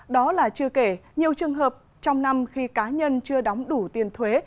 đó là chưa kể nhiều trường hợp trong năm khi cá nhân chưa đóng đủ tiền thuế